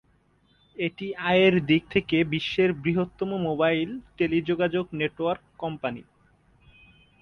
এটি আয়ের দিক থেকে বিশ্বের বৃহত্তম মোবাইল টেলিযোগাযোগ নেটওয়ার্ক কোম্পানি।